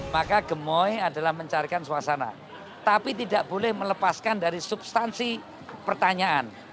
maka gemoy adalah mencarikan suasana tapi tidak boleh melepaskan dari substansi pertanyaan